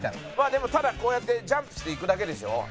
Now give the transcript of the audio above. でもただこうやってジャンプしていくだけでしょ？